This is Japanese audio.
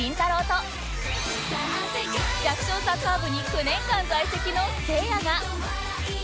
と弱小サッカー部に９年間在籍のせいやが